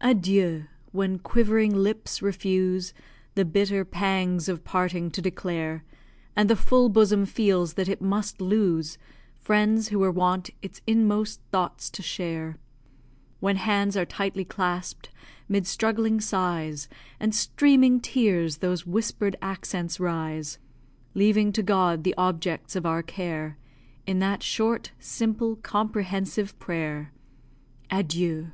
adieu! when quivering lips refuse The bitter pangs of parting to declare; And the full bosom feels that it must lose Friends who were wont its inmost thoughts to share; When hands are tightly clasp'd, 'mid struggling sighs And streaming tears, those whisper'd accents rise, Leaving to God the objects of our care In that short, simple, comprehensive prayer _Adieu!